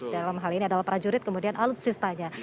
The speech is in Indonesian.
dalam hal ini adalah prajurit kemudian alutsistanya